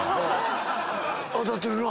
当たってるな。